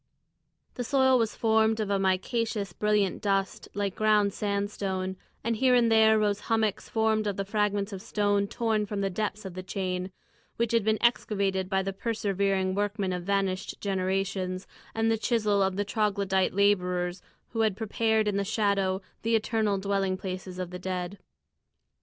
The soil was formed of a micaceous, brilliant dust like ground sandstone, and here and there rose hummocks formed of the fragments of stone torn from the depths of the chain, which had been excavated by the persevering workmen of vanished generations, and the chisel of the Troglodyte labourers who had prepared in the shadow the eternal dwelling places of the dead.